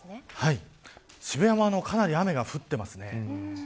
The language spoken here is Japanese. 渋谷もかなり雨が降ってますね。